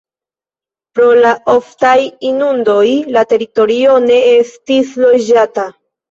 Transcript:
Pro la oftaj inundoj la teritorio ne estis loĝata.